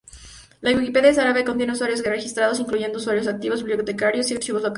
La Wikipedia en árabe contiene usuarios registrados, incluyendo usuarios activos, bibliotecarios y archivos locales.